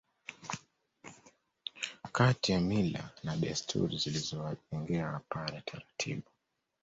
Kati ya mila na desturi zilizowajengea Wapare taratibu